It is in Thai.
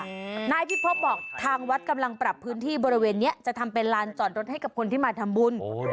นายพิพบบอกทางวัดกำลังปรับพื้นที่บริเวณเนี้ยจะทำเป็นลานจอดรถให้กับคนที่มาทำบุญ